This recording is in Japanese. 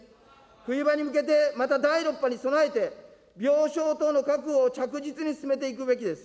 冬場に向けてまた第６波に備えて、病床等の確保を着実に進めていくべきです。